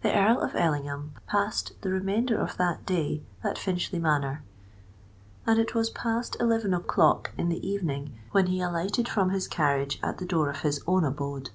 The Earl of Ellingham passed the remainder of that day at Finchley Manor; and it was past eleven o'clock in the evening when he alighted from his carriage at the door of his own abode.